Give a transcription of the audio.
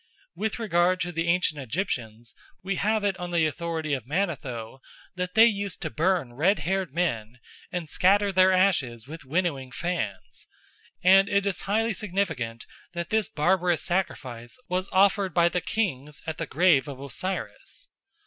With regard to the ancient Egyptians we have it on the authority of Manetho that they used to burn red haired men and scatter their ashes with winnowing fans, and it is highly significant that this barbarous sacrifice was offered by the kings at the grave of Osiris.